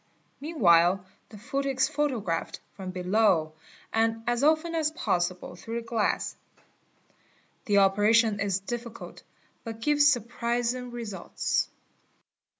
Meanwhile the foot is photographed from below and as often as possible, through the glass. The operation is difficult but gives surprising results.